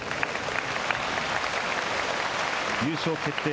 優勝決定